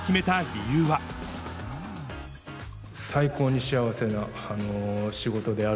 最高に幸せな仕事である。